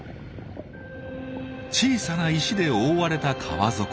小さな石で覆われた川底。